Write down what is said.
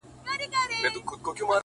نژدې ورغلم’